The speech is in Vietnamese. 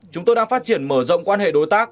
chúng tôi đang phát triển mở rộng quan hệ đối tác